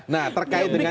nah terkait dengan